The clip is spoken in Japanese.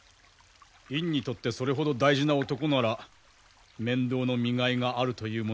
院にとってそれほど大事な男なら面倒の見がいがあるというものじゃ。